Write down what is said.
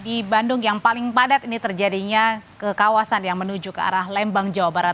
di bandung yang paling padat ini terjadinya ke kawasan yang menuju ke arah lembang jawa barat